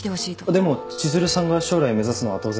でも千鶴さんが将来目指すのは当然。